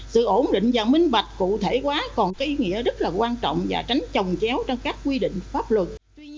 sự ổn định và minh bạch cụ thể quá còn có ý nghĩa rất là quan trọng và tránh trồng chéo trong các quy định pháp luật